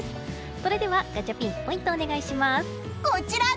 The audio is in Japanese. それではガチャピンポイント、お願いします。